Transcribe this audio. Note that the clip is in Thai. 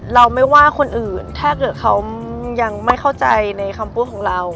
เราไม่ว่าคนอื่นถ้าเกิดเขายังไม่เข้าใจในคำพูดของเรา